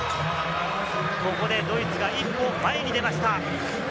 ドイツが一歩前に出ました。